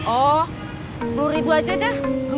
oh sepuluh ribu aja deh